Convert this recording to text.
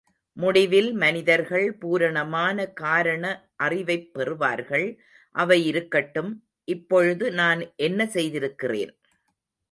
முடிவில் மனிதர்கள் பூரணமான காரண அறிவைப் பெறுவார்கள், அவை இருக்கட்டும், இப்பொழுது நான் என்ன செய்திருக்கிறேன்.